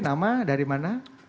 nama dari mana